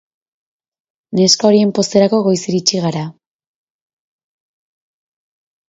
Neska horien pozerako goiz iritsi gara.